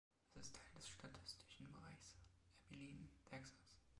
Es ist Teil des statistischen Bereichs Abilene, Texas.